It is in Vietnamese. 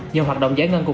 nhờ hoạt động giải ngân